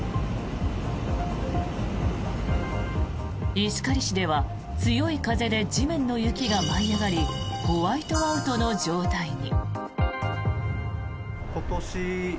石狩市では強い風で地面の雪が舞い上がりホワイトアウトの状態に。